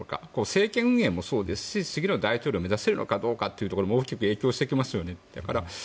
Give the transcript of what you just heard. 政権運営もそうですし次の大統領を目指せるかどうかも大きく影響してきますよね。